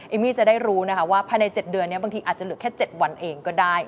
มี่จะได้รู้นะคะว่าภายใน๗เดือนนี้บางทีอาจจะเหลือแค่๗วันเองก็ได้